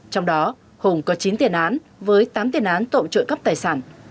trong đó hùng có chín tiền án với tám tiền án tội trộm cắp tài sản